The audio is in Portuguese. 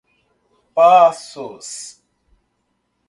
Passos